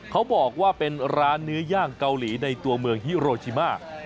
เขาบอกว่าเป็นร้านเนื้อย่างเกาหลีในตัวเมืองฮิโรชิมา